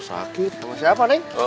sering tapa trading